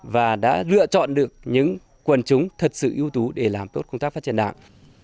và đã lựa chọn được những quần chúng thật sự ưu tú để làm tốt công tác phát triển đảng